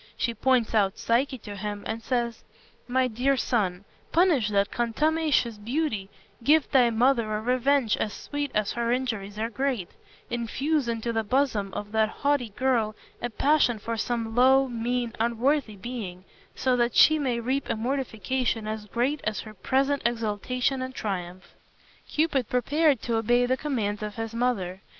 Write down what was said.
She points out Psyche to him and says, "My dear son, punish that contumacious beauty; give thy mother a revenge as sweet as her injuries are great; infuse into the bosom of that haughty girl a passion for some low, mean, unworthy being, so that she may reap a mortification as great as her present exultation and triumph." Cupid prepared to obey the commands of his mother.